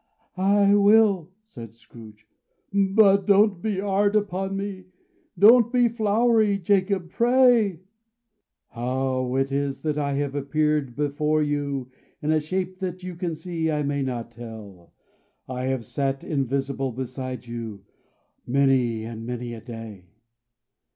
"I will," said Scrooge. "But don't be hard upon me! Don't be flowery, Jacob! Pray!" "How it is that I appear before you in a shape that you can see, I may not tell. I have sat invisible beside you many and many a day."